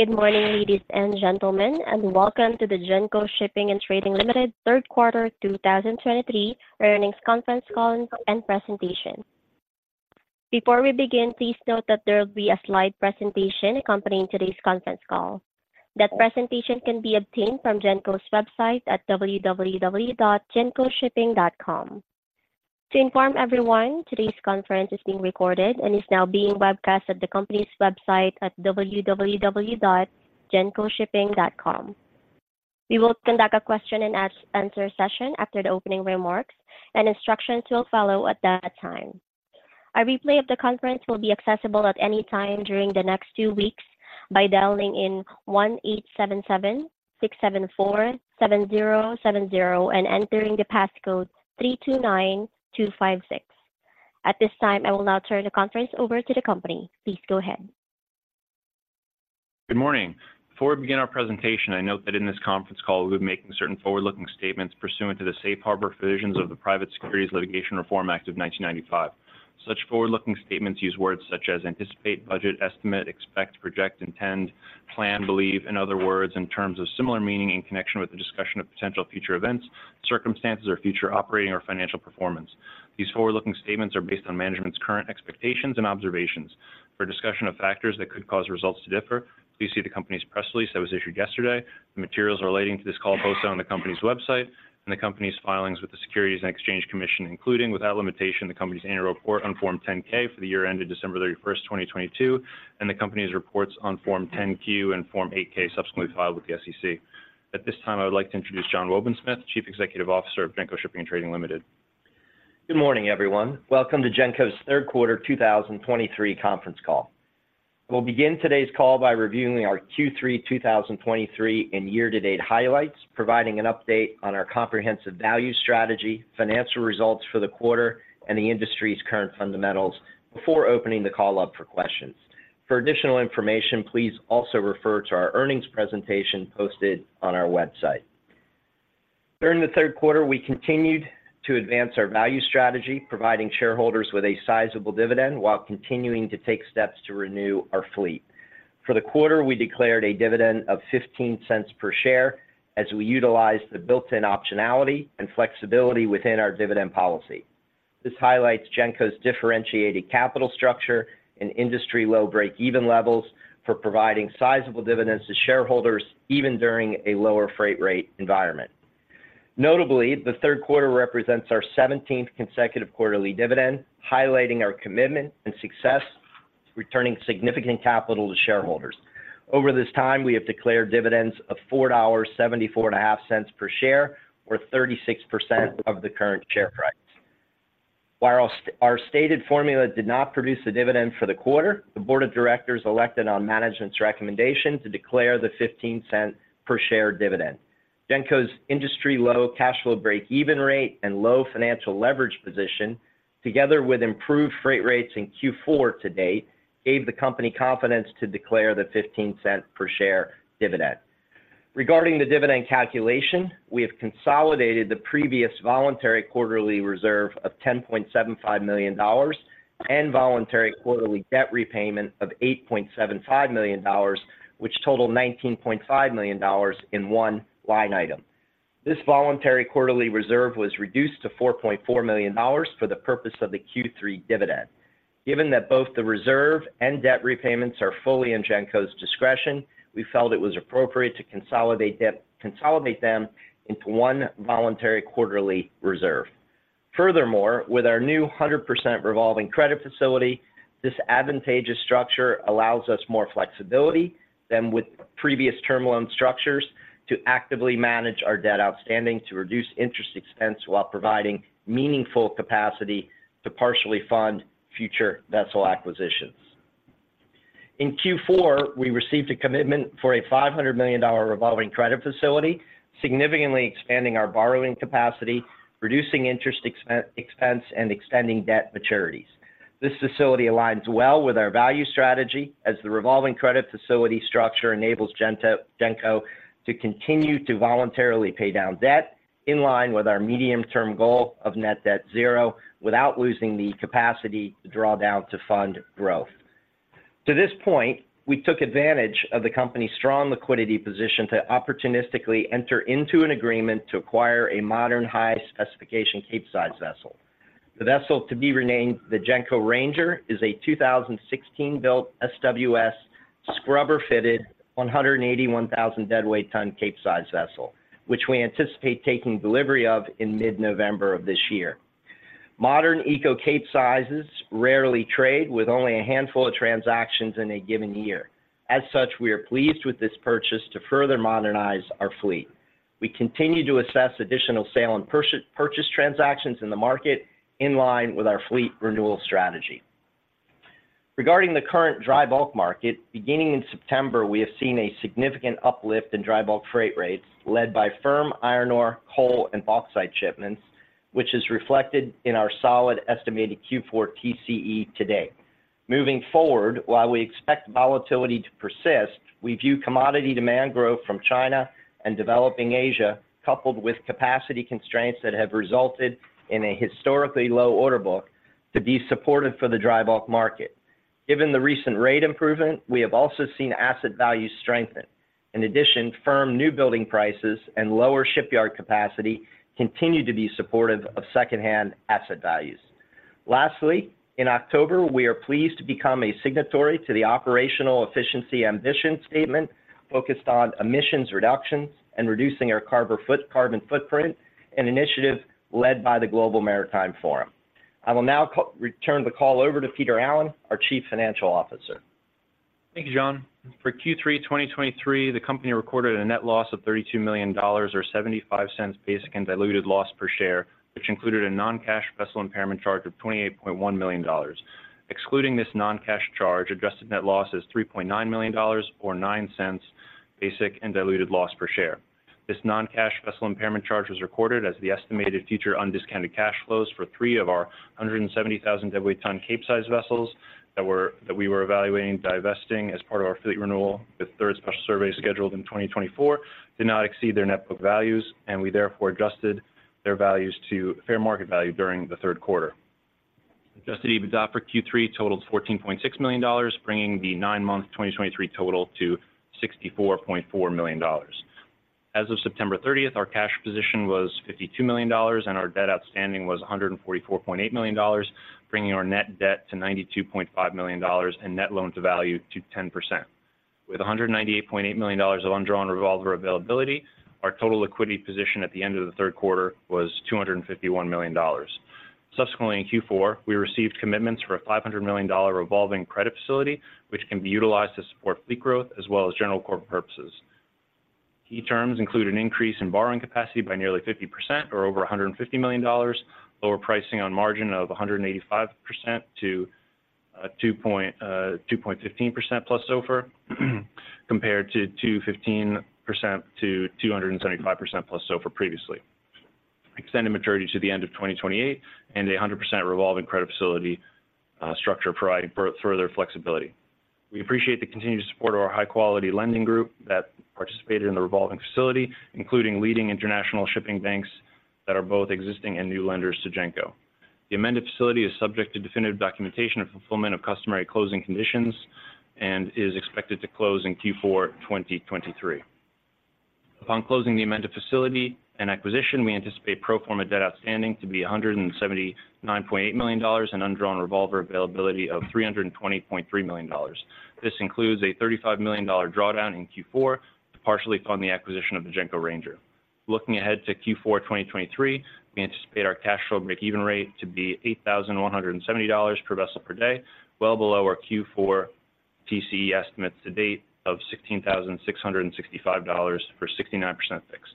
Good morning, ladies and gentlemen, and welcome to the Genco Shipping & Trading Limited Third Quarter 2023 Earnings Conference Call and Presentation. Before we begin, please note that there will be a slide presentation accompanying today's conference call. That presentation can be obtained from Genco's website at www.gencoshipping.com. To inform everyone, today's conference is being recorded and is now being webcast at the company's website at www.gencoshipping.com. We will conduct a question and answer session after the opening remarks, and instructions will follow at that time. A replay of the conference will be accessible at any time during the next two weeks by dialing in 1-877-674-7070 and entering the passcode 329256. At this time, I will now turn the conference over to the company. Please go ahead. Good morning. Before we begin our presentation, I note that in this conference call, we'll be making certain forward-looking statements pursuant to the Safe Harbor provisions of the Private Securities Litigation Reform Act of 1995. Such forward-looking statements use words such as anticipate, budget, estimate, expect, project, intend, plan, believe, and other words and terms of similar meaning in connection with the discussion of potential future events, circumstances, or future operating or financial performance. These forward-looking statements are based on management's current expectations and observations. For a discussion of factors that could cause results to differ, please see the company's press release that was issued yesterday, the materials relating to this call posted on the company's website, and the company's filings with the Securities and Exchange Commission, including, without limitation, the company's annual report on Form 10-K for the year ended December 31, 2022, and the company's reports on Form 10-Q and Form 8-K subsequently filed with the SEC. At this time, I would like to introduce John Wobensmith, Chief Executive Officer of Genco Shipping & Trading Limited. Good morning, everyone. Welcome to Genco's third quarter 2023 conference call. We'll begin today's call by reviewing our Q3 2023 and year-to-date highlights, providing an update on our comprehensive value strategy, financial results for the quarter, and the industry's current fundamentals before opening the call up for questions. For additional information, please also refer to our earnings presentation posted on our website. During the third quarter, we continued to advance our value strategy, providing shareholders with a sizable dividend while continuing to take steps to renew our fleet. For the quarter, we declared a dividend of $0.15 per share as we utilized the built-in optionality and flexibility within our dividend policy. This highlights Genco's differentiated capital structure and industry-low break-even levels for providing sizable dividends to shareholders even during a lower freight rate environment. Notably, the third quarter represents our 17th consecutive quarterly dividend, highlighting our commitment and success, returning significant capital to shareholders. Over this time, we have declared dividends of $4.745 per share or 36% of the current share price. While our stated formula did not produce a dividend for the quarter, the board of directors elected on management's recommendation to declare the 15-cent per share dividend. Genco's industry-low cash flow break-even rate and low financial leverage position, together with improved freight rates in Q4 to date, gave the company confidence to declare the 15-cent per share dividend. Regarding the dividend calculation, we have consolidated the previous voluntary quarterly reserve of $10.75 million and voluntary quarterly debt repayment of $8.75 million, which total $19.5 million in one line item. This voluntary quarterly reserve was reduced to $4.4 million for the purpose of the Q3 dividend. Given that both the reserve and debt repayments are fully in Genco's discretion, we felt it was appropriate to consolidate them into one voluntary quarterly reserve. Furthermore, with our new 100% revolving credit facility, this advantageous structure allows us more flexibility than with previous term loan structures to actively manage our debt outstanding, to reduce interest expense, while providing meaningful capacity to partially fund future vessel acquisitions. In Q4, we received a commitment for a $500 million revolving credit facility, significantly expanding our borrowing capacity, reducing interest expense, and extending debt maturities. This facility aligns well with our value strategy, as the revolving credit facility structure enables Genco to continue to voluntarily pay down debt in line with our medium-term goal of net debt zero, without losing the capacity to draw down to fund growth. To this point, we took advantage of the company's strong liquidity position to opportunistically enter into an agreement to acquire a modern, high-specification Capesize vessel. The vessel, to be renamed the Genco Ranger, is a 2016-built SWS scrubber-fitted, 181,000 deadweight ton Capesize vessel, which we anticipate taking delivery of in mid-November of this year. Modern Eco Capesizes rarely trade with only a handful of transactions in a given year. As such, we are pleased with this purchase to further modernize our fleet. We continue to assess additional sale and purchase transactions in the market in line with our fleet renewal strategy. Regarding the current dry bulk market, beginning in September, we have seen a significant uplift in dry bulk freight rates led by firm iron ore, coal, and bauxite shipments, which is reflected in our solid estimated Q4 TCE to date. Moving forward, while we expect volatility to persist, we view commodity demand growth from China and developing Asia, coupled with capacity constraints that have resulted in a historically low order book,... to be supportive for the dry bulk market. Given the recent rate improvement, we have also seen asset values strengthen. In addition, firm new building prices and lower shipyard capacity continue to be supportive of secondhand asset values. Lastly, in October, we are pleased to become a signatory to the Operational Efficiency Ambition Statement, focused on emissions reductions and reducing our carbon footprint, an initiative led by the Global Maritime Forum. I will now return the call over to Peter Allen, our Chief Financial Officer. Thank you, John. For Q3 2023, the company recorded a net loss of $32 million or $0.75 basic and diluted loss per share, which included a non-cash vessel impairment charge of $28.1 million. Excluding this non-cash charge, adjusted net loss is $3.9 million or $0.09 basic and diluted loss per share. This non-cash vessel impairment charge was recorded as the estimated future undiscounted cash flows for 3 of our 170,000 deadweight ton Capesize vessels that we were evaluating divesting as part of our fleet renewal. The third special survey, scheduled in 2024, did not exceed their net book values, and we therefore adjusted their values to fair market value during the third quarter. Adjusted EBITDA for Q3 totaled $14.6 million, bringing the nine-month 2023 total to $64.4 million. As of September 30th, our cash position was $52 million, and our debt outstanding was $144.8 million, bringing our net debt to $92.5 million and net loan to value to 10%. With $198.8 million of undrawn revolver availability, our total liquidity position at the end of the third quarter was $251 million. Subsequently, in Q4, we received commitments for a $500 million revolving credit facility, which can be utilized to support fleet growth as well as general corporate purposes. Key terms include an increase in borrowing capacity by nearly 50% or over $150 million, lower pricing on margin of 1.85%-2.15% plus SOFR, compared to 2.15%-2.75% plus SOFR previously. Extended maturity to the end of 2028 and 100% revolving credit facility structure, providing further flexibility. We appreciate the continued support of our high-quality lending group that participated in the revolving facility, including leading international shipping banks that are both existing and new lenders to Genco. The amended facility is subject to definitive documentation and fulfillment of customary closing conditions and is expected to close in Q4 2023. Upon closing the amended facility and acquisition, we anticipate pro forma debt outstanding to be $179.8 million and undrawn revolver availability of $320.3 million. This includes a $35 million drawdown in Q4 to partially fund the acquisition of the Genco Ranger. Looking ahead to Q4 2023, we anticipate our cash flow break-even rate to be $8,170 per vessel per day, well below our Q4 TCE estimates to date of $16,665 for 69% fixed.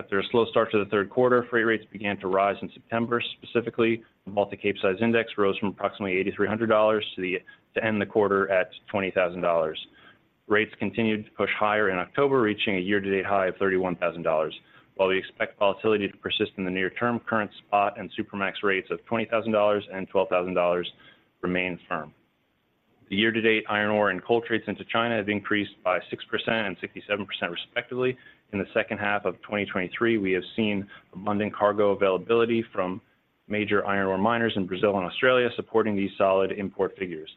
After a slow start to the third quarter, freight rates began to rise in September. Specifically, the Baltic Capesize Index rose from approximately $8,300 to end the quarter at $20,000. Rates continued to push higher in October, reaching a year-to-date high of $31,000. While we expect volatility to persist in the near term, current spot and Supramax rates of $20,000 and $12,000 remain firm. The year-to-date iron ore and coal trades into China have increased by 6% and 67% respectively. In the second half of 2023, we have seen abundant cargo availability from major iron ore miners in Brazil and Australia, supporting these solid import figures.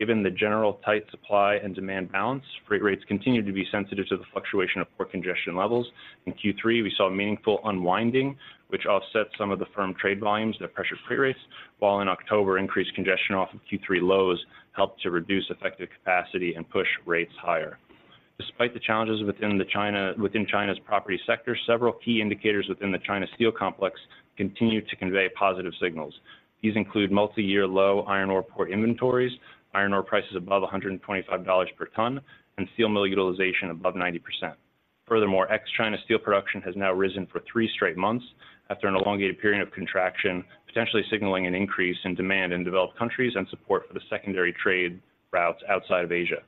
Given the general tight supply and demand balance, freight rates continued to be sensitive to the fluctuation of port congestion levels. In Q3, we saw a meaningful unwinding, which offset some of the firm trade volumes that pressured freight rates. While in October, increased congestion off of Q3 lows helped to reduce effective capacity and push rates higher. Despite the challenges within China's property sector, several key indicators within the China steel complex continue to convey positive signals. These include multiyear low iron ore port inventories, iron ore prices above $125 per ton, and steel mill utilization above 90%. Furthermore, ex-China steel production has now risen for three straight months after an elongated period of contraction, potentially signaling an increase in demand in developed countries and support for the secondary trade routes outside of Asia.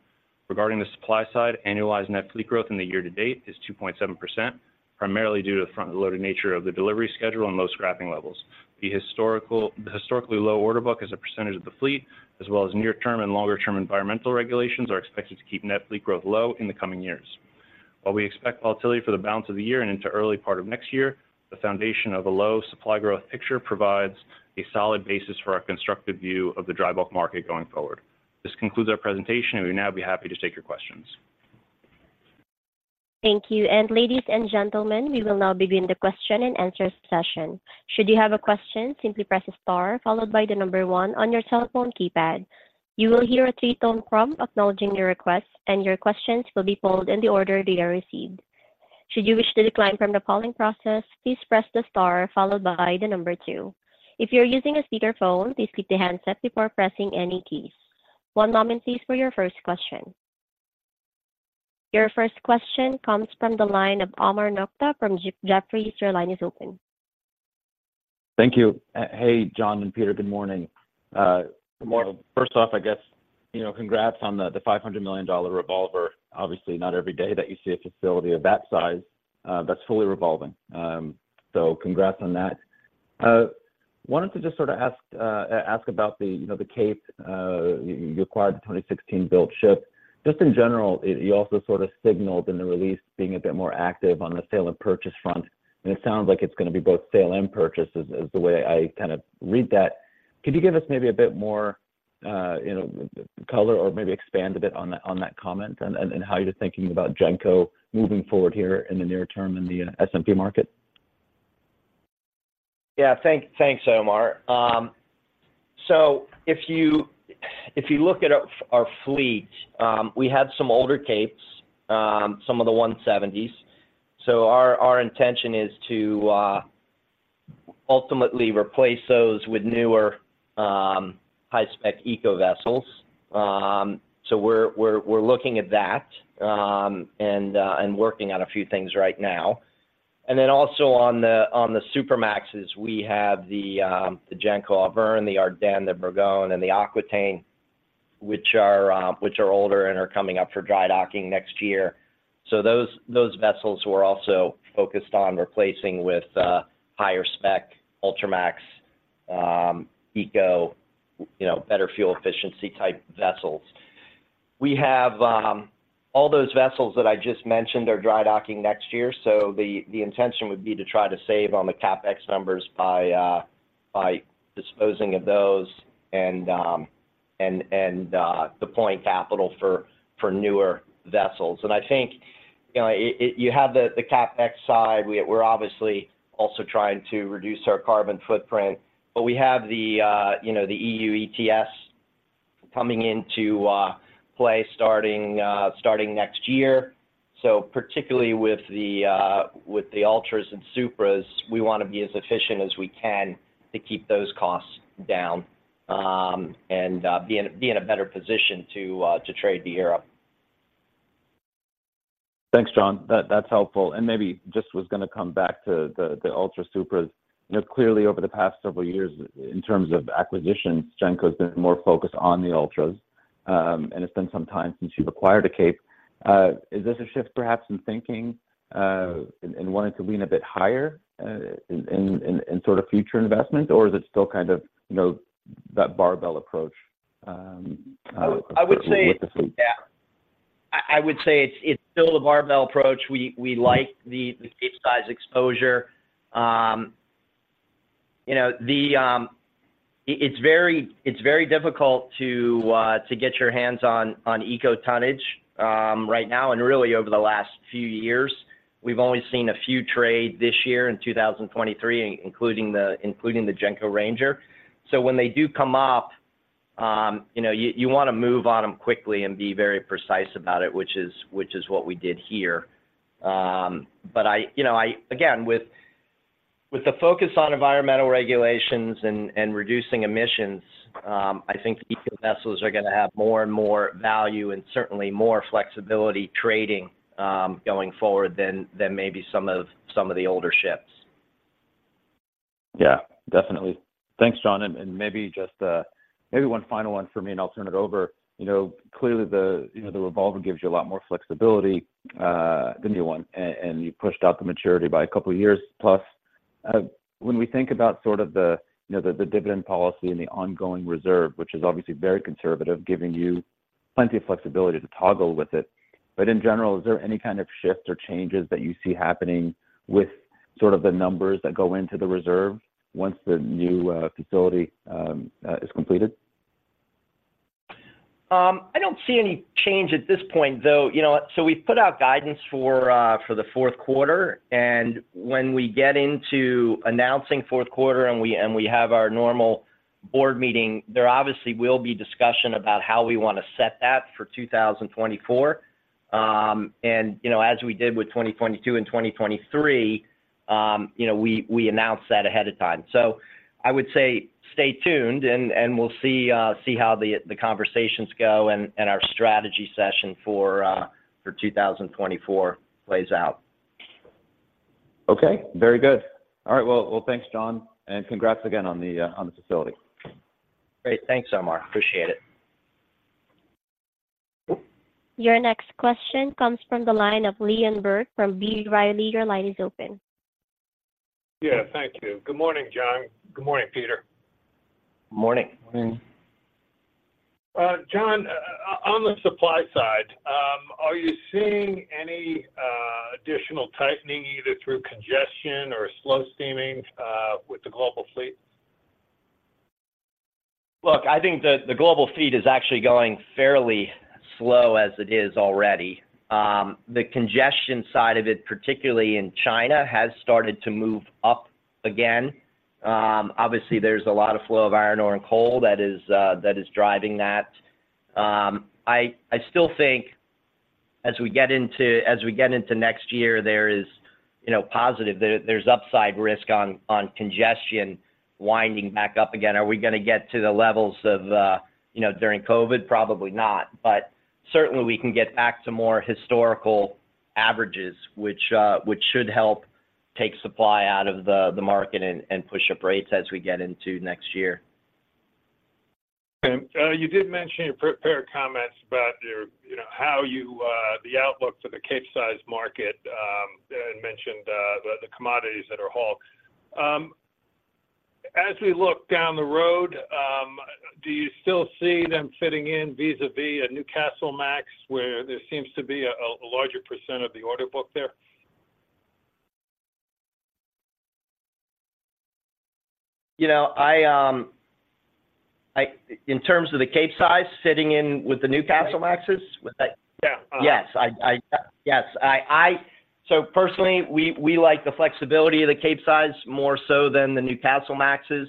Regarding the supply side, annualized net fleet growth in the year to date is 2.7%, primarily due to the front-loaded nature of the delivery schedule and low scrapping levels. The historically low order book as a percentage of the fleet, as well as near-term and longer-term environmental regulations, are expected to keep net fleet growth low in the coming years. While we expect volatility for the balance of the year and into early part of next year, the foundation of a low supply growth picture provides a solid basis for our constructive view of the dry bulk market going forward. This concludes our presentation. We'll now be happy to take your questions. Thank you. And ladies and gentlemen, we will now begin the question and answer session. Should you have a question, simply press star followed by the number one on your telephone keypad. You will hear a three-tone prompt acknowledging your request, and your questions will be pulled in the order they are received. Should you wish to decline from the calling process, please press the star followed by the number two. If you're using a speakerphone, please keep the handset before pressing any keys. One moment, please, for your first question. Your first question comes from the line of Omar Nokta from Jefferies. Your line is open. Thank you. Hey, John and Peter. Good morning. Good morning. First off, I guess, you know, congrats on the $500 million revolver. Obviously, not every day that you see a facility of that size that's fully revolving. So congrats on that. Wanted to just sort of ask about the, you know, the Capesize you acquired, the 2016-built ship. Just in general, you also sort of signaled in the release being a bit more active on the sale and purchase front, and it sounds like it's going to be both sale and purchase, the way I kind of read that. Could you give us maybe a bit more, you know, color or maybe expand a bit on that comment, and how you're thinking about Genco moving forward here in the near term in the S&P market? Yeah. Thanks, thanks, Omar. So if you look at our fleet, we have some older Capes, some of the 170s. So our intention is to ultimately replace those with newer, high-spec eco vessels. So we're looking at that, and working on a few things right now. And then also on the Supramaxes, we have the Genco Auvergne, the Ardenne, the Bourgogne, and the Aquitaine, which are older and are coming up for dry docking next year. So those vessels we're also focused on replacing with higher spec Ultramax, eco, you know, better fuel efficiency type vessels. We have all those vessels that I just mentioned are dry docking next year, so the intention would be to try to save on the CapEx numbers by disposing of those and deploying capital for newer vessels. And I think, you know, you have the CapEx side. We're obviously also trying to reduce our carbon footprint, but we have, you know, the EU ETS coming into play starting next year. So particularly with the Ultras and Supras, we want to be as efficient as we can to keep those costs down and be in a better position to trade to Europe. Thanks, John. That's helpful. And maybe just was going to come back to the Ultras, Supras. You know, clearly, over the past several years, in terms of acquisitions, Genco has been more focused on the Ultras, and it's been some time since you've acquired a Cape. Is this a shift, perhaps in thinking, in wanting to lean a bit higher, in sort of future investment, or is it still kind of, you know, that barbell approach, with the fleet? I would say. Yeah. I would say it's still a barbell approach. We like the Capesize exposure. You know, it's very difficult to get your hands on eco tonnage right now, and really over the last few years. We've only seen a few trade this year in 2023, including the Genco Ranger. So when they do come up, you know, you want to move on them quickly and be very precise about it, which is what we did here. But you know, again, with the focus on environmental regulations and reducing emissions, I think eco vessels are going to have more and more value and certainly more flexibility trading going forward than maybe some of the older ships. Yeah, definitely. Thanks, John. And maybe just maybe one final one for me, and I'll turn it over. You know, clearly the, you know, the revolver gives you a lot more flexibility than the one, and you pushed out the maturity by a couple of years. Plus, when we think about sort of the, you know, the dividend policy and the ongoing reserve, which is obviously very conservative, giving you plenty of flexibility to toggle with it. But in general, is there any kind of shift or changes that you see happening with sort of the numbers that go into the reserve once the new facility is completed? I don't see any change at this point, though, you know what? So we've put out guidance for the fourth quarter, and when we get into announcing fourth quarter, and we have our normal board meeting, there obviously will be discussion about how we want to set that for 2024. And, you know, as we did with 2022 and 2023, you know, we, we announced that ahead of time. So I would say stay tuned, and we'll see how the conversations go and our strategy session for 2024 plays out. Okay, very good. All right. Well, thanks, John, and congrats again on the facility. Great. Thanks, Omar. Appreciate it. Your next question comes from the line of Liam Burke from B. Riley. Your line is open. Yeah. Thank you. Good morning, John. Good morning, Peter. Morning. Morning. John, on the supply side, are you seeing any additional tightening, either through congestion or slow steaming, with the global fleet? Look, I think the global fleet is actually going fairly slow as it is already. The congestion side of it, particularly in China, has started to move up again. Obviously, there's a lot of flow of iron ore and coal that is driving that. I still think as we get into next year, there is, you know, positive. There's upside risk on congestion winding back up again. Are we going to get to the levels of, you know, during COVID? Probably not, but certainly, we can get back to more historical averages, which should help take supply out of the market and push up rates as we get into next year. You did mention in your pre-prepared comments about your, you know, how you, the outlook for the Capesize market, and mentioned, the commodities that are hauled. ... As we look down the road, do you still see them fitting in vis-à-vis a Newcastlemax, where there seems to be a larger % of the order book there? You know, in terms of the Capesize fitting in with the Newcastlemaxes? With the- Yeah. Yes. So personally, we like the flexibility of the Capesize more so than the Newcastlemaxes.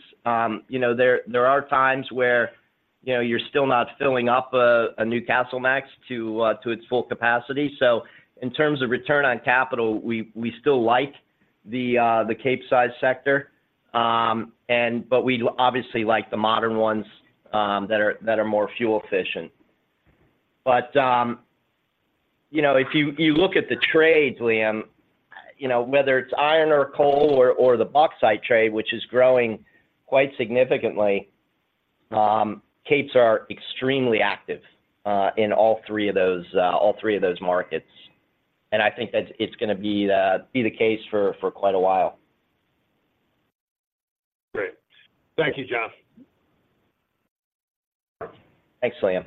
You know, there are times where, you know, you're still not filling up a Newcastlemax to its full capacity. So in terms of return on capital, we still like the Capesize sector. And but we obviously like the modern ones that are more fuel-efficient. You know, if you look at the trades, Liam, you know, whether it's iron or coal or the bauxite trade, which is growing quite significantly, Capes are extremely active in all three of those markets. And I think that it's gonna be the case for quite a while. Great. Thank you, John. Thanks, Liam.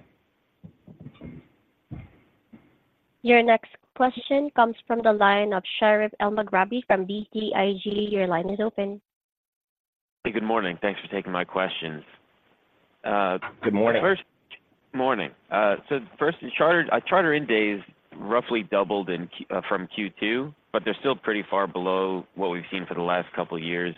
Your next question comes from the line of Sherif Elmaghrabi from BTIG. Your line is open. Hey, good morning. Thanks for taking my questions. Good morning. Morning. So, first, charter-in days roughly doubled from Q2, but they're still pretty far below what we've seen for the last couple of years.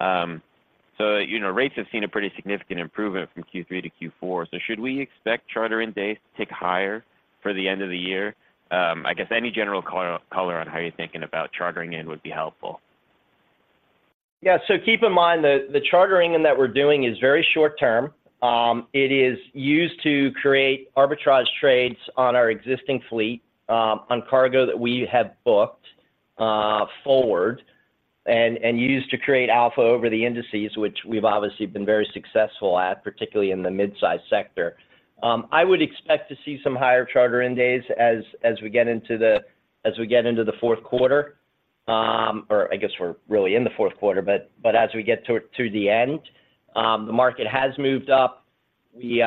So, you know, rates have seen a pretty significant improvement from Q3 to Q4. So should we expect charter-in days to tick higher for the end of the year? I guess any general color on how you're thinking about chartering in would be helpful. Yeah. So keep in mind, the chartering that we're doing is very short term. It is used to create arbitrage trades on our existing fleet, on cargo that we have booked forward, and used to create alpha over the indices, which we've obviously been very successful at, particularly in the mid-size sector. I would expect to see some higher charter-in days as we get into the fourth quarter. Or I guess we're really in the fourth quarter, but as we get to the end, the market has moved up. We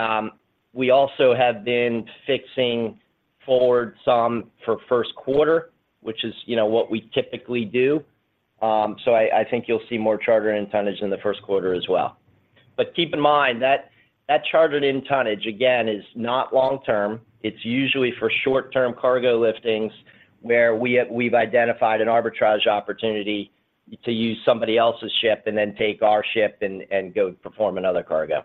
also have been fixing forward some for first quarter, which is, you know, what we typically do. So I think you'll see more charter-in tonnage in the first quarter as well. But keep in mind that chartered-in tonnage, again, is not long-term. It's usually for short-term cargo liftings, where we've identified an arbitrage opportunity to use somebody else's ship and then take our ship and go perform another cargo.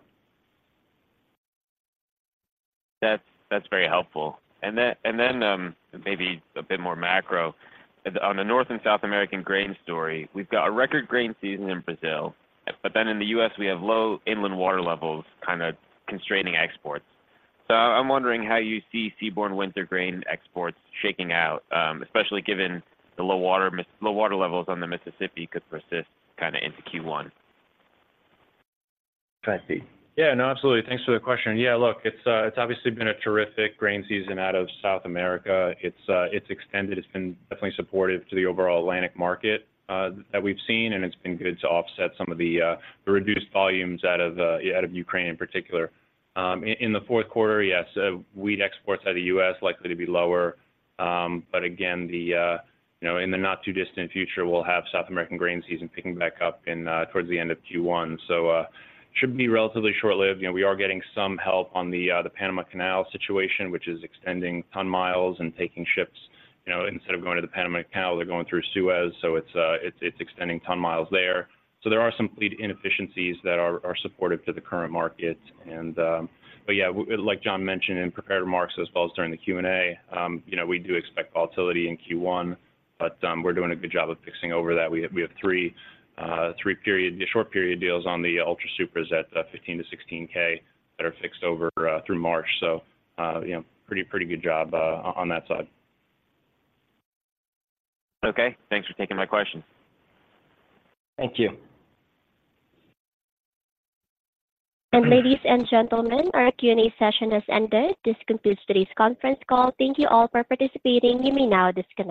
That's, that's very helpful. And then, maybe a bit more macro. On the North and South American grain story, we've got a record grain season in Brazil, but then in the U.S., we have low inland water levels kind of constraining exports. So I'm wondering how you see seaborne winter grain exports shaking out, especially given the low water levels on the Mississippi could persist kind of into Q1. Tracy? Yeah. No, absolutely. Thanks for the question. Yeah, look, it's obviously been a terrific grain season out of South America. It's extended. It's been definitely supportive to the overall Atlantic market that we've seen, and it's been good to offset some of the reduced volumes out of Ukraine in particular. In the fourth quarter, yes, wheat exports out of US likely to be lower. But again, you know, in the not-too-distant future, we'll have South American grain season picking back up in towards the end of Q1. So, should be relatively short-lived. You know, we are getting some help on the Panama Canal situation, which is extending ton miles and taking ships. You know, instead of going to the Panama Canal, they're going through Suez, so it's extending ton miles there. So there are some fleet inefficiencies that are supportive to the current market. But yeah, like John mentioned in prepared remarks as well as during the Q&A, you know, we do expect volatility in Q1, but we're doing a good job of fixing over that. We have three short period deals on the Ultra, Supras at $15,000-$16,000 that are fixed over through March. So you know, pretty good job on that side. Okay. Thanks for taking my questions. Thank you. Ladies and gentlemen, our Q&A session has ended. This concludes today's conference call. Thank you all for participating. You may now disconnect.